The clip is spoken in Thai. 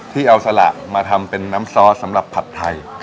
ที่เอาสละมาทำเป็นน้ำซอสสำหรับผัดไทย